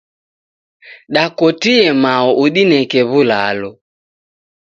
Dakotie mao udineke w'ulalo.